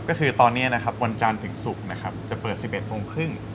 ก็คือตอนนี้นะครับวันจานถึงสุกจะเปิด๑๑โมงครึ่ง